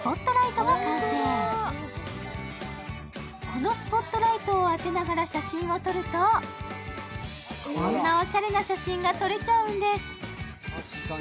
このスポットライトを当てながら写真を撮ると、こんなおしゃれな写真が撮れちゃうんです。